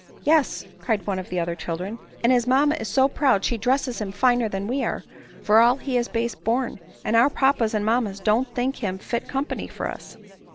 " Yes," cried one of the other children ;" and his mamma is so proud she dresses him finer than we are, for all he is base born ; and our papas and mammas don't think him fit company for us."